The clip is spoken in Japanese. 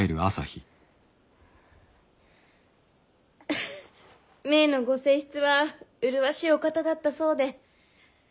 アハ前のご正室は麗しいお方だったそうで。